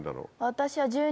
私は。